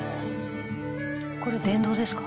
「これ電動ですか？」